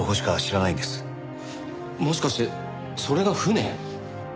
もしかしてそれが船？